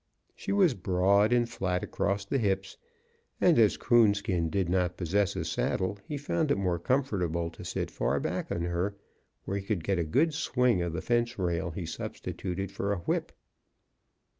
She was broad and flat across the hips, and, as Coonskin did not possess a saddle, he found it more comfortable to sit far back on her where he could get a good swing of the fence rail he substituted for a whip.